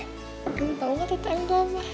kamu tau gak ttm nya apa